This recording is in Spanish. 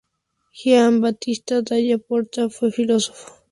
Giovanni Battista della Porta fue filósofo, investigador y astrónomo.